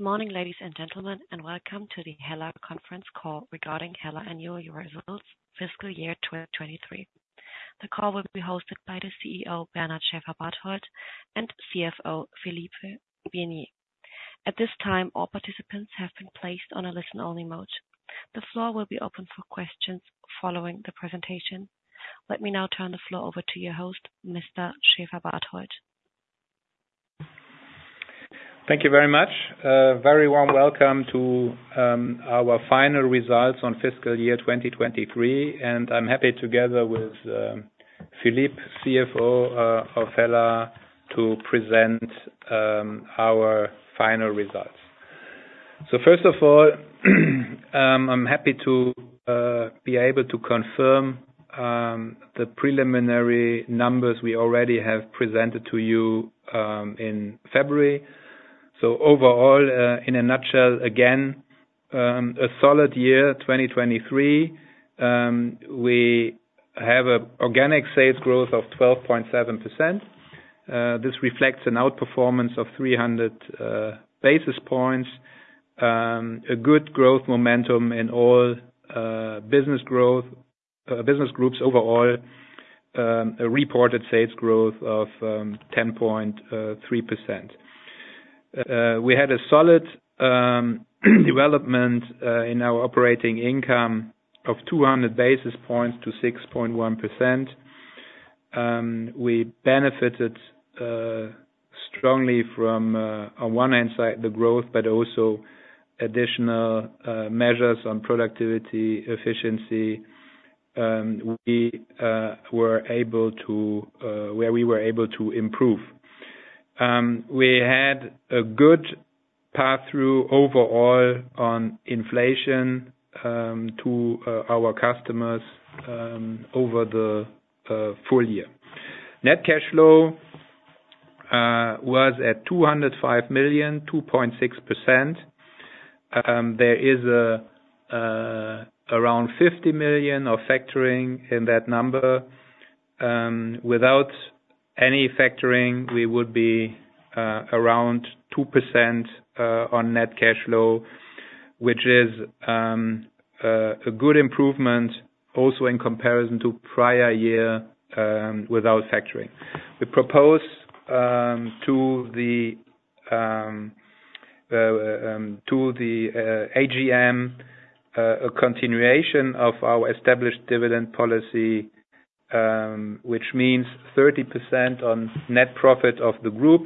Good morning, ladies and gentlemen, and welcome to the HELLA conference call regarding HELLA annual results, fiscal year 2023. The call will be hosted by the CEO, Bernard Schäferbarthold, and CFO, Philippe Vienney. At this time, all participants have been placed on a listen-only mode. The floor will be open for questions following the presentation. Let me now turn the floor over to your host, Mr. Schäferbarthold. Thank you very much. Very warm welcome to our final results on fiscal year 2023, and I'm happy, together with Philippe, CFO of HELLA, to present our final results. So first of all, I'm happy to be able to confirm the preliminary numbers we already have presented to you in February. So overall, in a nutshell, again, a solid year, 2023. We have an organic sales growth of 12.7%. This reflects an outperformance of 300 basis points, a good growth momentum in all business groups overall, a reported sales growth of 10.3%. We had a solid development in our operating income of 200 basis points to 6.1%. We benefited strongly from, on one hand side, the growth, but also additional measures on productivity, efficiency. We were able to improve where we were able to. We had a good path through overall on inflation to our customers over the full year. Net cash flow was at EUR 205 million, 2.6%. There is around 50 million of factoring in that number. Without any factoring, we would be around 2% on net cash flow, which is a good improvement also in comparison to prior year without factoring. We propose to the AGM a continuation of our established dividend policy, which means 30% on net profit of the group.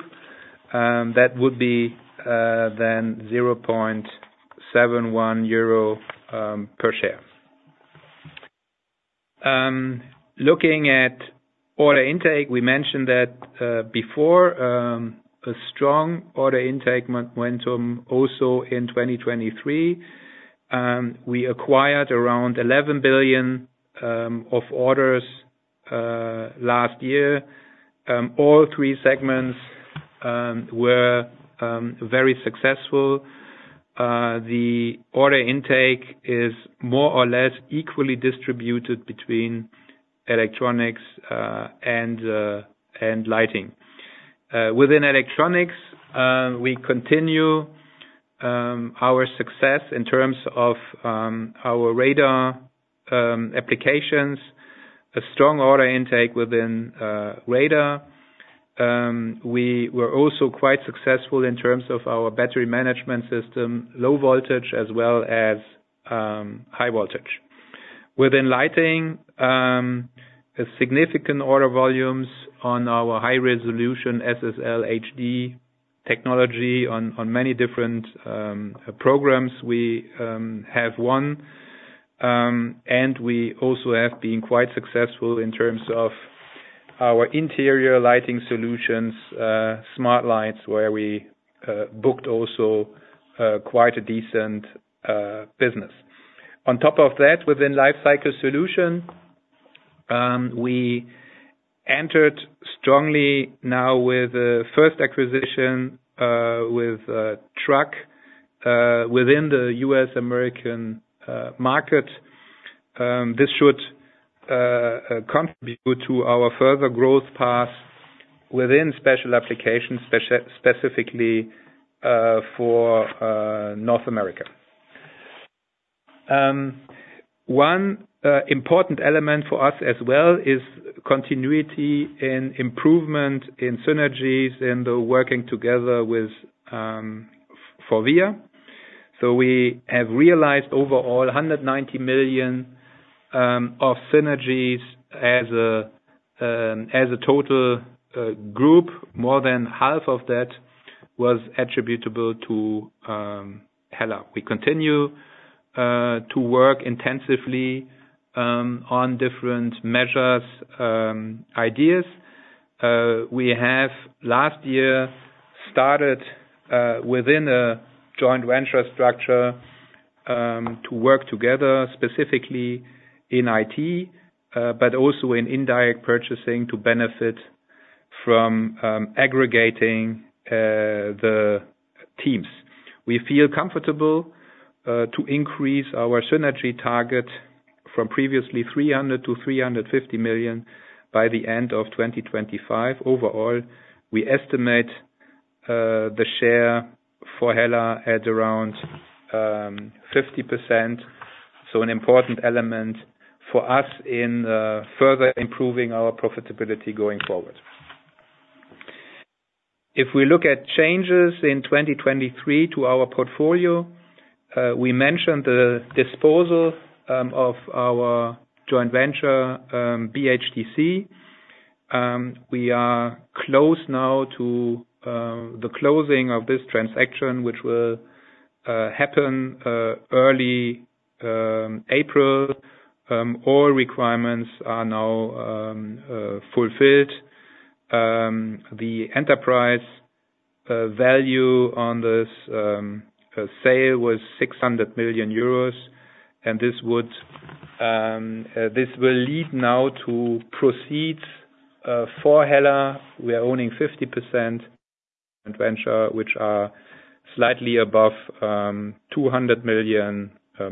That would be then 0.71 euro per share. Looking at order intake, we mentioned that before, a strong order intake momentum also in 2023. We acquired around 11 billion of orders last year. All three segments were very successful. The order intake is more or less equally distributed between electronics and lighting. Within electronics, we continue our success in terms of our radar applications, a strong order intake within radar. We were also quite successful in terms of our battery management system, low voltage as well as high voltage. Within lighting, significant order volumes on our high resolution SSL HD technology on many different programs. We have won, and we also have been quite successful in terms of our interior lighting solutions, smart lights where we booked also quite a decent business. On top of that, within lifecycle solution, we entered strongly now with the first acquisition, with a truck, within the U.S.-American market. This should contribute to our further growth path within special applications, specifically for North America. One important element for us as well is continuity in improvement in synergies in the working together with Forvia. So we have realized overall 190 million of synergies as a total group. More than half of that was attributable to HELLA. We continue to work intensively on different measures, ideas. We have last year started within a joint venture structure to work together specifically in IT, but also in indirect purchasing to benefit from aggregating the teams. We feel comfortable to increase our synergy target from previously 300 million to 350 million by the end of 2025. Overall, we estimate the share for HELLA at around 50%. So an important element for us in further improving our profitability going forward. If we look at changes in 2023 to our portfolio, we mentioned the disposal of our joint venture BHTC. We are close now to the closing of this transaction, which will happen early April. All requirements are now fulfilled. The Enterprise Value on this sale was 600 million euros, and this will lead now to proceeds for HELLA. We are owning 50% joint venture, which are slightly above 200 million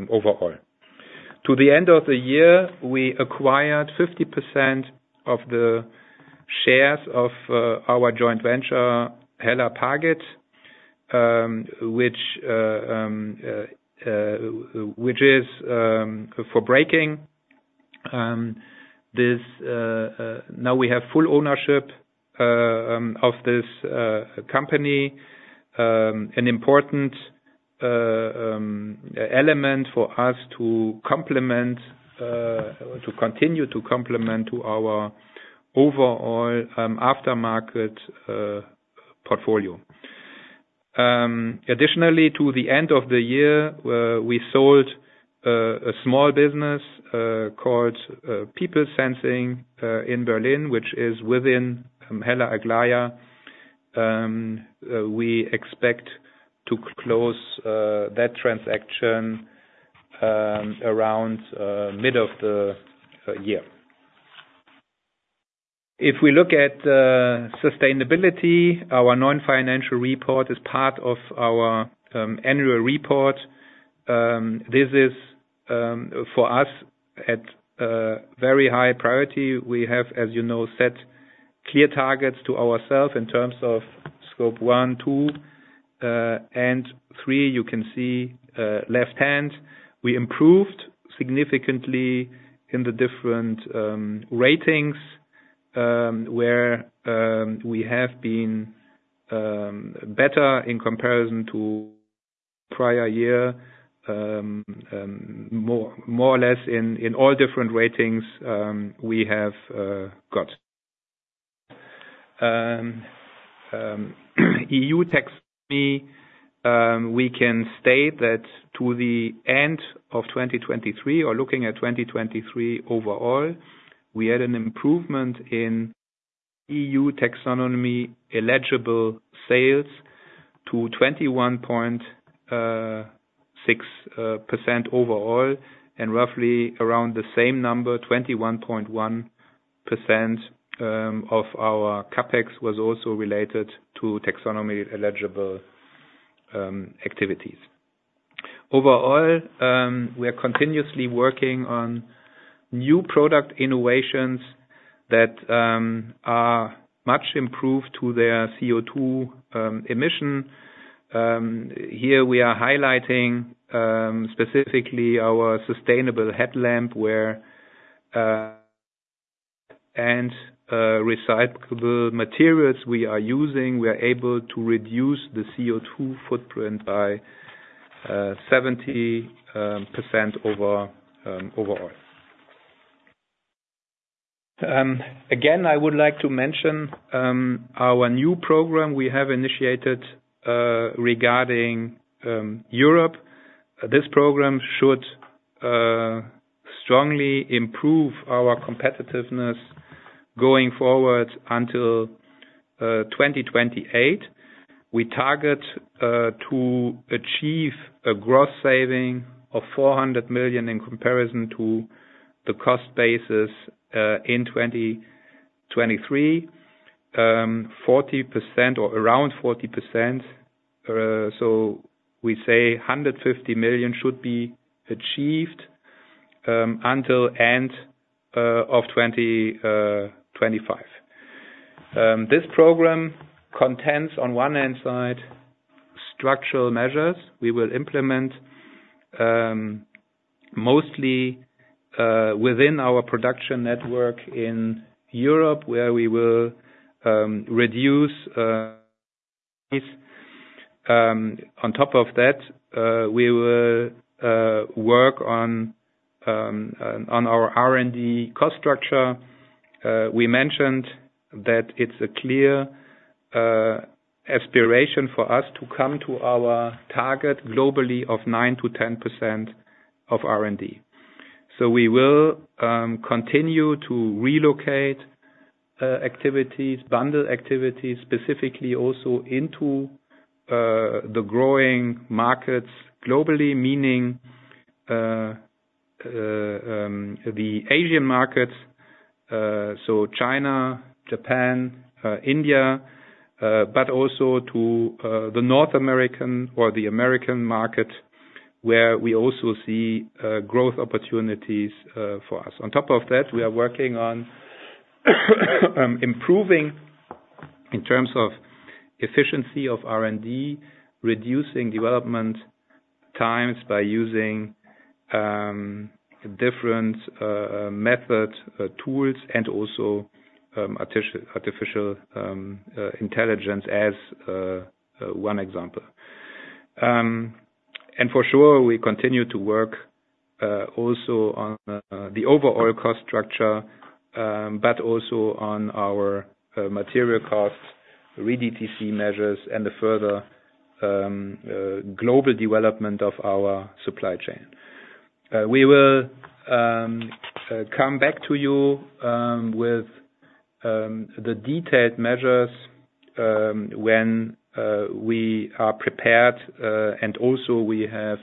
overall. To the end of the year, we acquired 50% of the shares of our joint venture, HELLA Pagid, which is for braking. This now we have full ownership of this company, an important element for us to complement, to continue to complement our overall aftermarket portfolio. Additionally, to the end of the year, we sold a small business called People Sensing in Berlin, which is within HELLA Aglaia. We expect to close that transaction around mid of the year. If we look at sustainability, our non-financial report is part of our annual report. This is for us a very high priority. We have, as you know, set clear targets to ourselves in terms of Scope 1, 2, and 3. You can see, left hand, we improved significantly in the different ratings, where we have been better in comparison to prior year, more or less in all different ratings, we have got. EU Taxonomy, we can state that to the end of 2023 or looking at 2023 overall, we had an improvement in EU Taxonomy eligible sales to 21.6% overall and roughly around the same number, 21.1%, of our Capex was also related to Taxonomy eligible activities. Overall, we are continuously working on new product innovations that are much improved to their CO2 emission. Here we are highlighting, specifically our Sustainable Headlamp where, and, recyclable materials we are using, we are able to reduce the CO2 footprint by 70% overall. Again, I would like to mention our new program we have initiated regarding Europe. This program should strongly improve our competitiveness going forward until 2028. We target to achieve a gross saving of 400 million in comparison to the cost basis in 2023. 40% or around 40%, so we say 150 million should be achieved until end of 2025. This program consists on one hand side structural measures. We will implement mostly within our production network in Europe where we will reduce price. On top of that, we will work on our R&D cost structure. We mentioned that it's a clear aspiration for us to come to our target globally of 9%-10% of R&D. So we will continue to relocate activities, bundle activities specifically also into the growing markets globally, meaning the Asian markets, so China, Japan, India, but also to the North American or the American market where we also see growth opportunities for us. On top of that, we are working on improving in terms of efficiency of R&D, reducing development times by using different method tools and also artificial intelligence as one example. And for sure, we continue to work also on the overall cost structure, but also on our material costs, Re-DTC measures, and the further global development of our supply chain. We will come back to you with the detailed measures when we are prepared, and also we have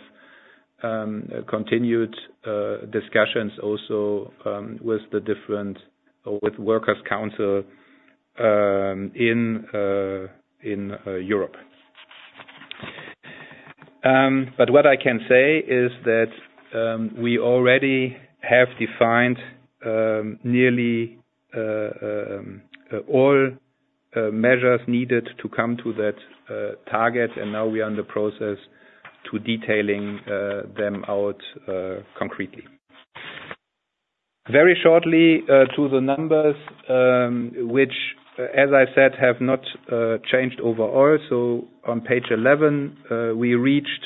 continued discussions also with the different or with Workers' Council in Europe. but what I can say is that we already have defined nearly all measures needed to come to that target, and now we are in the process to detailing them out concretely. Very shortly to the numbers, which, as I said, have not changed overall. So on page 11, we reached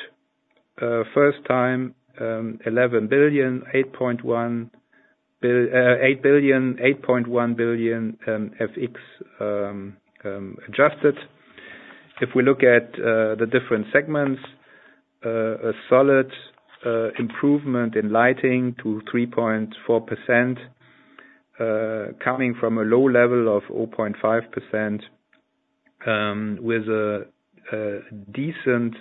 first time 11 billion, 8.1 billion, 8 billion, 8.1 billion FX adjusted. If we look at the different segments, a solid improvement in lighting to 3.4%, coming from a low level of 0.5%, with a decent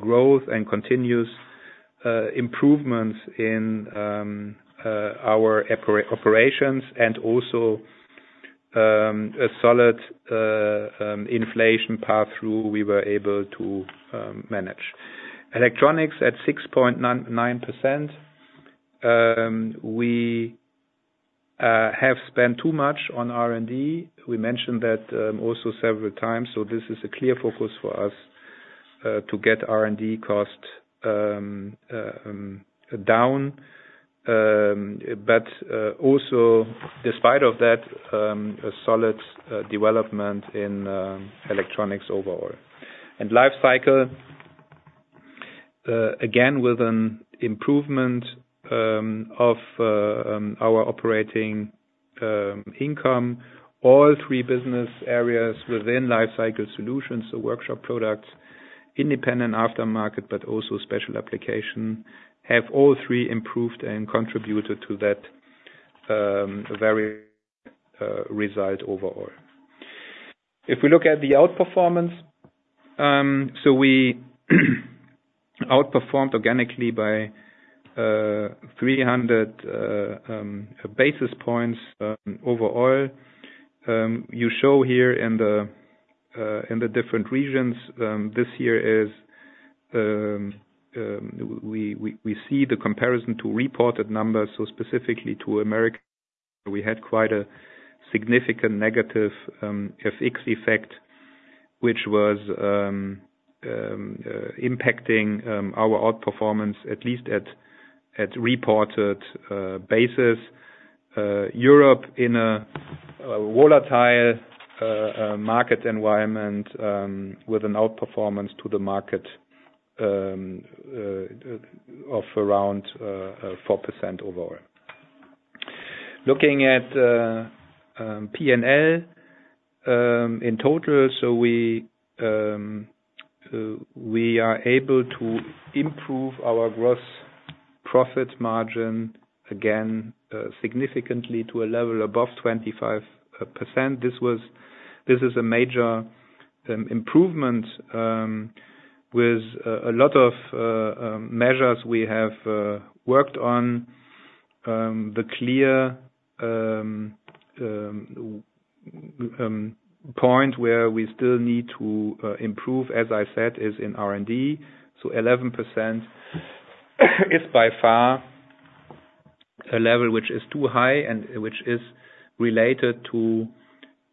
growth and continuous improvements in our operations and also a solid inflation path through we were able to manage. Electronics at 6.9%. We have spent too much on R&D. We mentioned that also several times. So this is a clear focus for us to get R&D cost down. but also despite of that, a solid development in electronics overall. Lifecycle, again with an improvement of our operating income, all three business areas within Lifecycle Solutions, so workshop products, independent aftermarket, but also special application, have all three improved and contributed to that various result overall. If we look at the outperformance, so we outperformed organically by 300 basis points overall. You show here in the different regions, this year we see the comparison to reported numbers. So specifically to America, we had quite a significant negative FX effect, which was impacting our outperformance at least at reported basis. Europe in a volatile market environment, with an outperformance to the market of around 4% overall. Looking at P&L in total, so we are able to improve our gross profit margin again significantly to a level above 25%. This is a major improvement with a lot of measures we have worked on. The clear point where we still need to improve, as I said, is in R&D. So 11% is by far a level which is too high and which is related to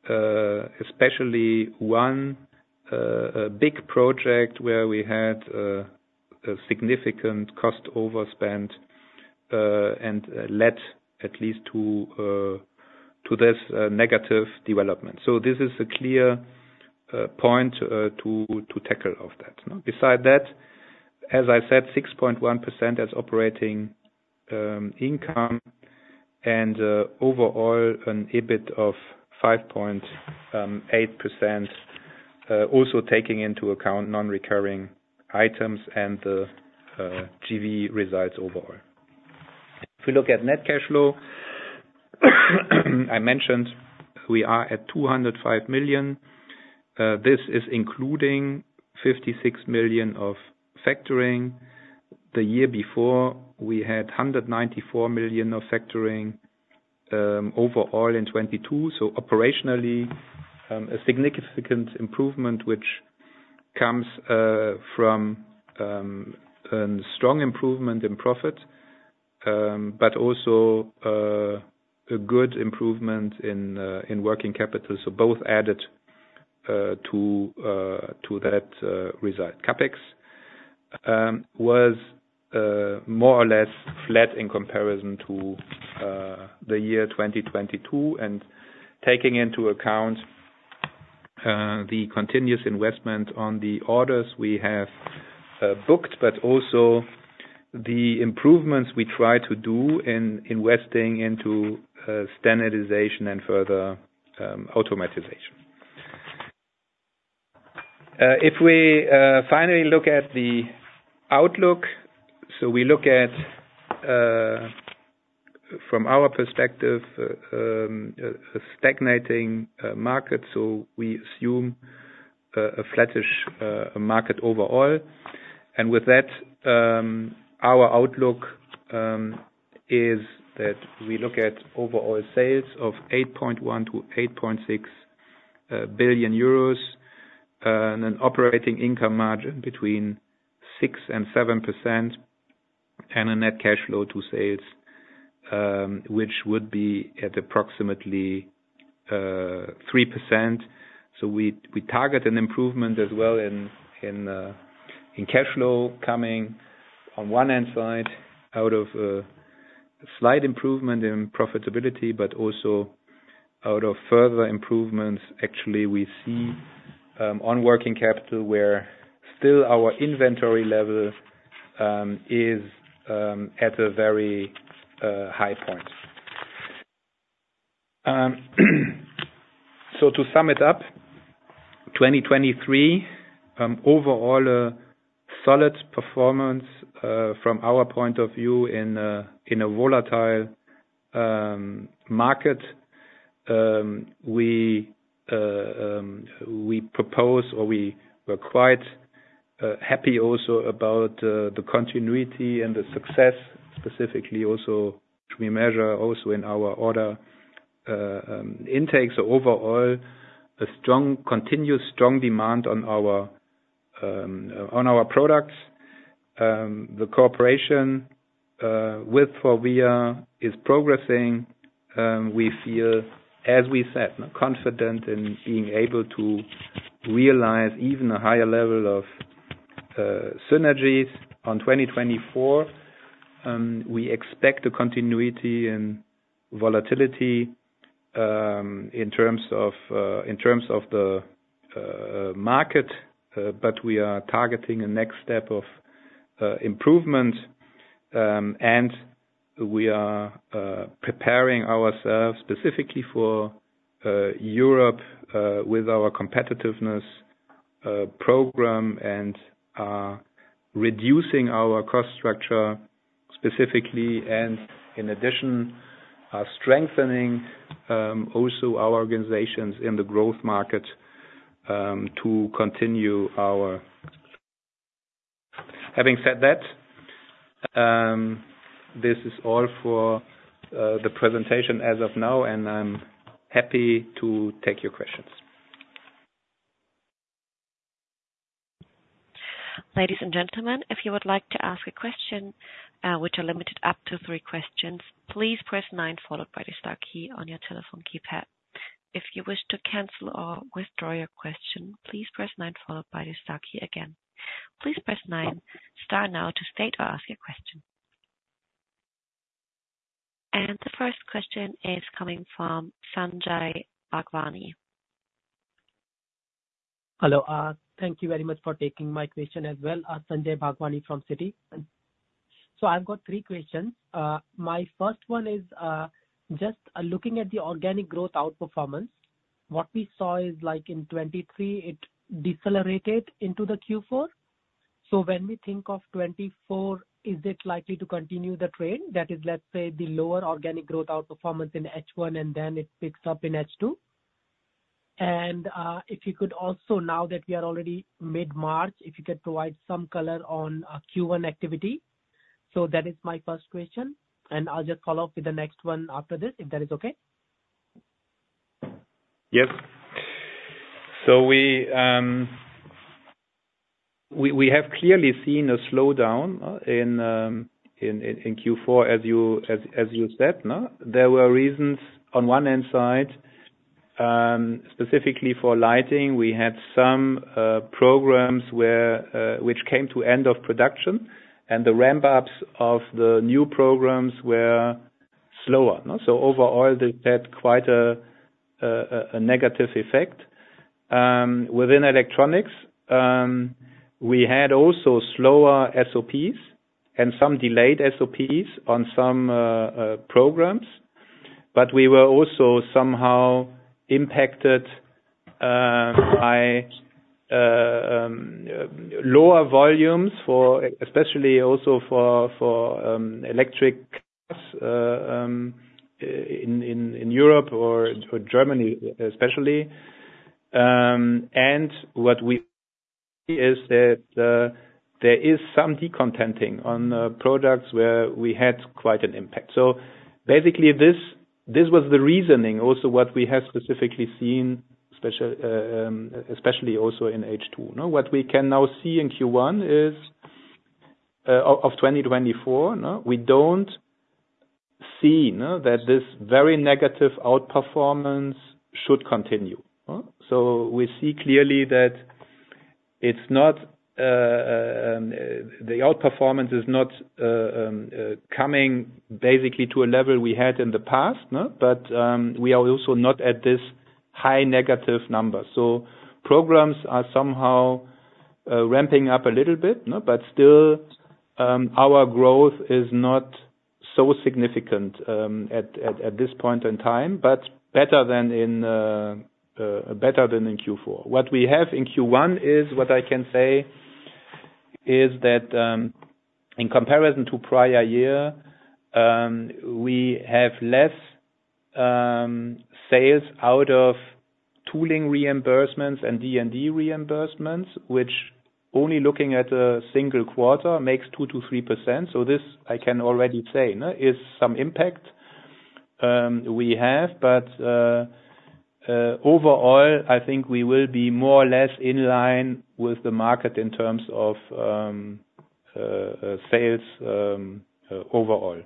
especially one big project where we had a significant cost overspend, and led at least to this negative development. So this is a clear point to tackle of that. Beside that, as I said, 6.1% as operating income and overall an EBIT of 5.8%, also taking into account non-recurring items and the JV results overall. If we look at net cash flow, I mentioned we are at 205 million. This is including 56 million of factoring. The year before, we had 194 million of factoring overall in 2022. So operationally, a significant improvement which comes from a strong improvement in profit, but also a good improvement in working capital. So both added to that result. CapEx was more or less flat in comparison to the year 2022. And taking into account the continuous investment on the orders we have booked, but also the improvements we try to do in investing into standardization and further automation. If we finally look at the outlook, so we look at, from our perspective, a stagnating market. So we assume a flattish market overall. And with that, our outlook is that we look at overall sales of 8.1 billion-8.6 billion euros and an operating income margin between 6%-7% and a net cash flow to sales, which would be at approximately 3%. So we target an improvement as well in cash flow coming on one hand side out of a slight improvement in profitability, but also out of further improvements. Actually, we see on working capital where still our inventory level is at a very high point. So to sum it up, 2023 overall a solid performance from our point of view in a volatile market. We were quite happy also about the continuity and the success specifically also which we measure also in our order intake. So overall, a strong, continuous strong demand on our products. The cooperation with Forvia is progressing. We feel, as we said, confident in being able to realize even a higher level of synergies in 2024. We expect a continuity in volatility, in terms of, in terms of the market, but we are targeting a next step of improvement. We are preparing ourselves specifically for Europe, with our competitiveness program and are reducing our cost structure specifically and in addition, are strengthening also our organizations in the growth market, to continue our... Having said that, this is all for the presentation as of now and I'm happy to take your questions. Ladies and gentlemen, if you would like to ask a question, which are limited up to three questions, please press nine followed by the star key on your telephone keypad. If you wish to cancel or withdraw your question, please press nine followed by the star key again. Please press 9, star now to state or ask your question. And the first question is coming from Sanjay Bhagwani. Hello. Thank you very much for taking my question as well. Sanjay Bhagwani from Citi. So I've got three questions. My first one is, just looking at the organic growth outperformance. What we saw is like in 2023, it decelerated into Q4. So when we think of 2024, is it likely to continue the trend? That is, let's say, the lower organic growth outperformance in H1 and then it picks up in H2. And if you could also, now that we are already mid-March, if you could provide some color on Q1 activity. So that is my first question. And I'll just follow up with the next one after this if that is okay. Yep. So we have clearly seen a slowdown in Q4 as you said. There were reasons on one hand side, specifically for lighting, we had some programs which came to end of production and the ramp-ups of the new programs were slower. So overall, this had quite a negative effect. Within electronics, we had also slower SOPs and some delayed SOPs on some programs. But we were also somehow impacted by lower volumes especially for electric cars in Europe or Germany especially. What we see is that there is some decontenting on products where we had quite an impact. So basically this was the reasoning also what we have specifically seen especially also in H2. What we can now see in Q1 of 2024 is we don't see that this very negative outperformance should continue. So we see clearly that it's not the outperformance is not coming basically to a level we had in the past, but we are also not at this high negative number. So programs are somehow ramping up a little bit, but still, our growth is not so significant at this point in time, but better than in Q4. What we have in Q1 is what I can say is that, in comparison to prior year, we have less sales out of tooling reimbursements and D&D reimbursements, which only looking at a single quarter makes 2%-3%. So this I can already say is some impact we have, but overall, I think we will be more or less in line with the market in terms of sales overall.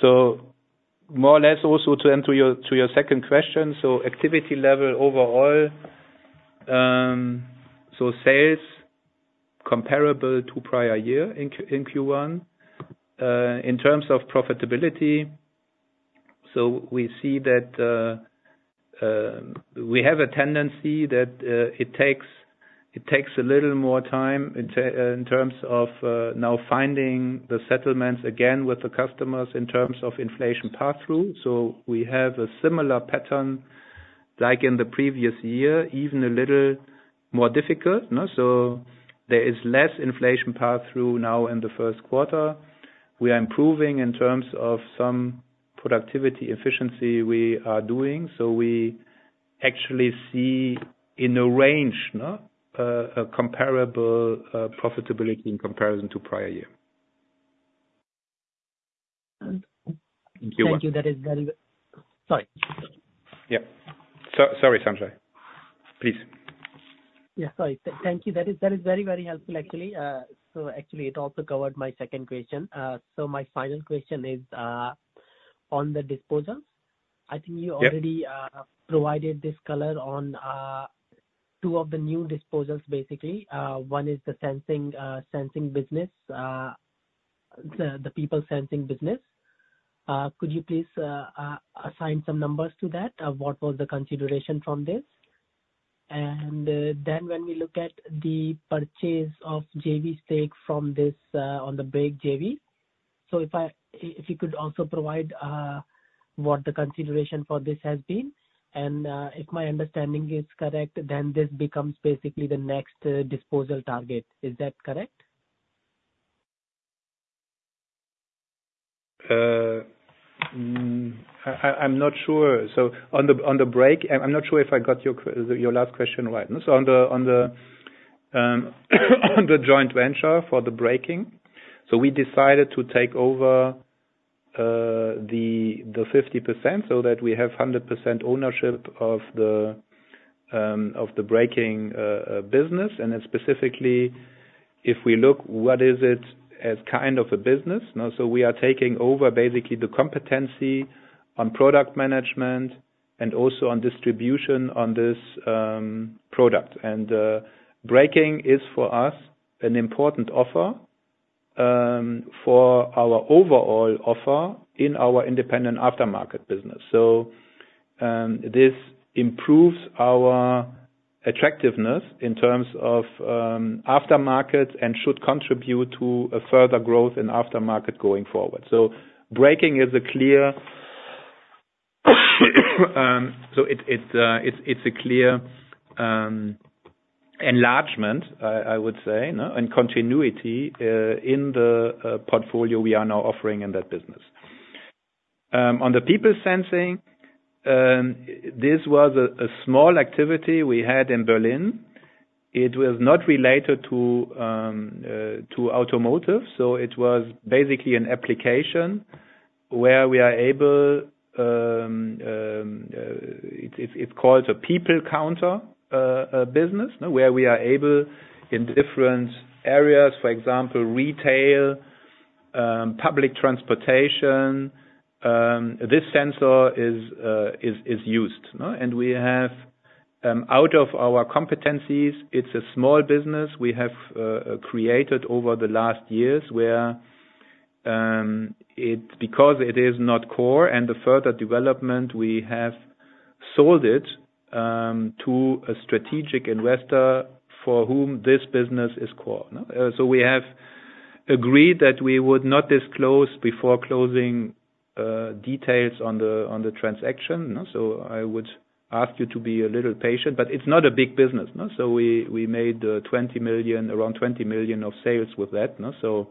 So more or less also to your second question. So activity level overall, so sales comparable to prior year in Q1. In terms of profitability, so we see that, we have a tendency that it takes a little more time in terms of now finding the settlements again with the customers in terms of inflation pass-through. So we have a similar pattern like in the previous year, even a little more difficult. So there is less inflation pass-through now in the first quarter. We are improving in terms of some productivity efficiency we are doing. So we actually see in a range a comparable profitability in comparison to prior year. Thank you. Thank you. That is very sorry. Yeah. Sorry, Sanjay. Please. Yeah. Sorry. Thank you. That is very, very helpful, actually. So actually it also covered my second question. So my final question is on the disposals. I think you already provided this color on two of the new disposals basically. One is the sensing business, the People Sensing business. Could you please assign some numbers to that? What was the consideration from this? And then when we look at the purchase of JV stake from this, on the brake JV. So if you could also provide what the consideration for this has been. And if my understanding is correct, then this becomes basically the next disposal target. Is that correct? I'm not sure. So on the joint venture for the braking, so we decided to take over the 50% so that we have 100% ownership of the braking business. Specifically, if we look what is it as kind of a business. So we are taking over basically the competency on product management and also on distribution on this product. Braking is for us an important offer for our overall offer in our independent aftermarket business. So this improves our attractiveness in terms of aftermarket and should contribute to a further growth in aftermarket going forward. So braking is a clear enlargement, I would say, and continuity in the portfolio we are now offering in that business. On the People Sensing, this was a small activity we had in Berlin. It was not related to automotive. So it was basically an application where we are able. It's called the People Sensing business, where we are able in different areas, for example, retail, public transportation. This sensor is used. And we have, out of our competencies, it's a small business we have created over the last years, because it is not core and the further development. We have sold it to a strategic investor for whom this business is core. So we have agreed that we would not disclose, before closing, details on the transaction. So I would ask you to be a little patient. But it's not a big business. So we made 20 million, around 20 million of sales with that. So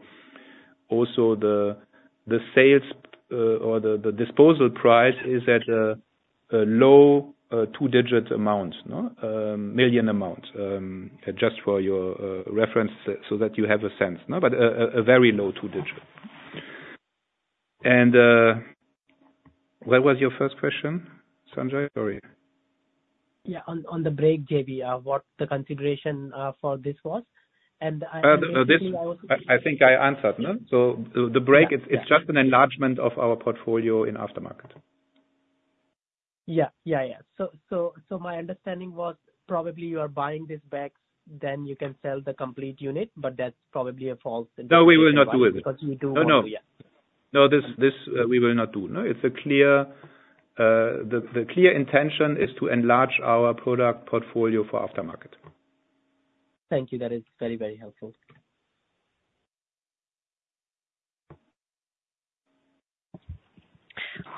also the sales, or the disposal price, is at a low two-digit million amount, just for your reference so that you have a sense. But a very low two-digit. What was your first question, Sanjay? Sorry. Yeah. On the brake JV, what the consideration for this was. And I think I answered. So the brake, it's just an enlargement of our portfolio in aftermarket. Yeah. Yeah, yeah. So my understanding was probably you are buying the stake, then you can sell the complete unit, but that's probably a false interpretation. No, we will not do it. No, no. Yeah. No, this we will not do. It's clear, the clear intention is to enlarge our product portfolio for aftermarket. Thank you. That is very helpful.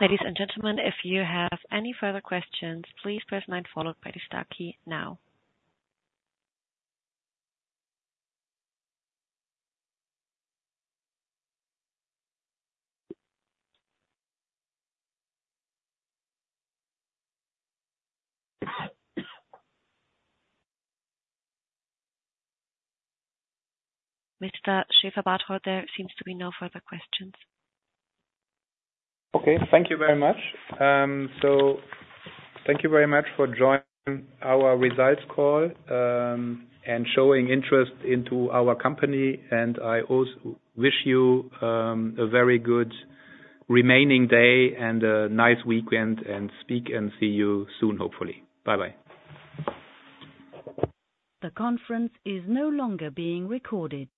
Ladies and gentlemen, if you have any further questions, please press nine followed by the star key now. Mr. Schäferbarthold, there seems to be no further questions. Okay. Thank you very much. So thank you very much for joining our results call, and showing interest into our company. I also wish you a very good remaining day and a nice weekend and speak and see you soon, hopefully. Bye-bye. The conference is no longer being recorded.